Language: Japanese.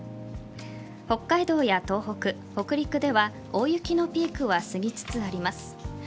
北海道や東北、北陸では大雪のピークは過ぎつつあります。